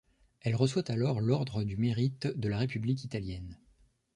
Elle reçoit alors l'Ordre du Mérite de la République italienne.